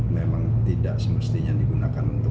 memang tidak semestinya digunakan untuk